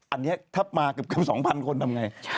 อันนี้ทัพมากับ๒๐๐๐คนทำไง